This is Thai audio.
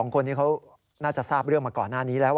คนนี้เขาน่าจะทราบเรื่องมาก่อนหน้านี้แล้ว